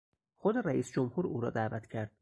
خود رییس جمهور او را دعوت کرد.